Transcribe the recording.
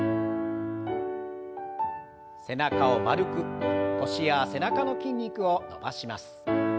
背中を丸く腰や背中の筋肉を伸ばします。